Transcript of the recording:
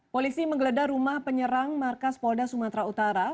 polisi menggeledah rumah penyerang markas polda sumatera utara